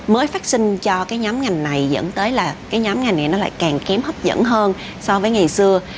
mới phát sinh cho nhóm ngành này dẫn tới là nhóm ngành này lại càng kém hấp dẫn hơn so với ngày xưa